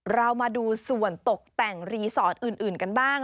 เรามาดูส่วนตกแต่งรีสอร์ทอื่นกันบ้าง